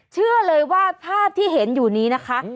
เชื่อเลยว่าภาพที่เห็นอยู่นี้นะคะ